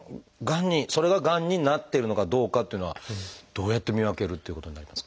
それががんになってるのかどうかっていうのはどうやって見分けるっていうことになりますか？